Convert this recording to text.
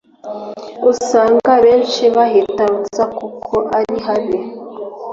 usanga benshi bahitarutsa kuko ari habi